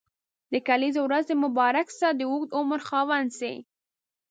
د کلیزي ورځ دي مبارک شه د اوږد عمر خاوند سي.